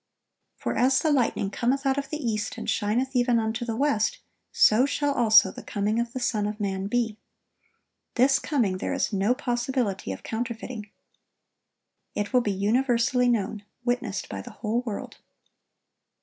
For as the lightning cometh out of the east, and shineth even unto the west; so shall also the coming of the Son of man be."(1067) This coming, there is no possibility of counterfeiting. It will be universally known—witnessed by the whole world.